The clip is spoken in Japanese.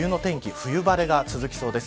冬晴れが続きそうです。